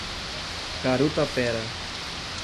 Carutapera